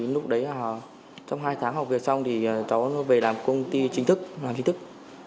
lúc đấy trong hai tháng học việc xong cháu về làm công ty chính thức